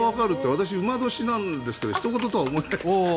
私、午年なんですがひと事とは思えないですね。